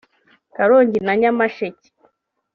Karongi na Nyamasheke